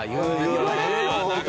言われるの？